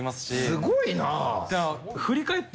すごいな！